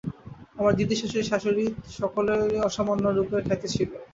আমার দিদিশাশুড়ি শাশুড়ি সকলেরই অসামান্য রূপের খ্যাতি ছিল।